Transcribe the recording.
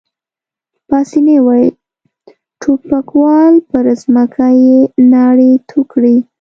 پاسیني وویل: ټوپکوال، پر مځکه يې ناړې تو کړې.